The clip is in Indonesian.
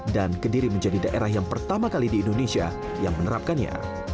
dan kediri menjadi daerah yang pertama kali di indonesia yang menerapkannya